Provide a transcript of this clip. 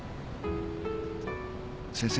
先生。